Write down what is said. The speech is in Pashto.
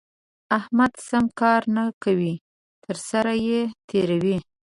احمد سم کار نه کوي؛ تر سر يې تېروي.